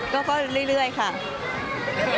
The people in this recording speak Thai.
ก็คือพี่ที่อยู่เชียงใหม่พี่อธค่ะ